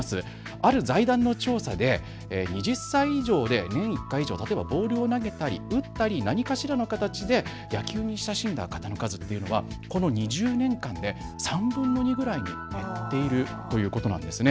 ある財団の調査で２０歳以上で年１回以上、例えばボールを投げたり打ったり何かしらの形で野球に親しんだ方の数というのはこの２０年間で３分の２ぐらいに減っているということなんです。